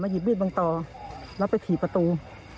หยิบมีดบนต่อแล้วไปถี่ประตู